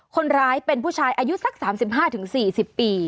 คนร้ายเป็นผู้ชายอายุสัก๓๕๔๐ปี